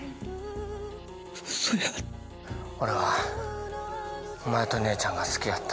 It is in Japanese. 嘘や俺はお前と姉ちゃんが好きやった。